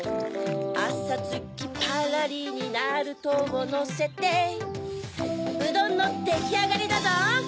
あさつきパラリにナルトをのせてうどんのできあがりだどん！